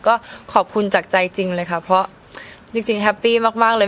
ก็ขอบคุณจากใจจริงเลยค่ะเพราะจริงแฮปปี้มากเลย